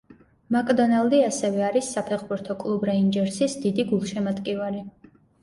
მაკდონალდი ასევე არის საფეხბურთო კლუბ „რეინჯერსის“ დიდი გულშემატკივარი.